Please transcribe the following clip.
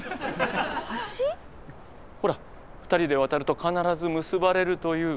ほら２人で渡ると必ず結ばれるという。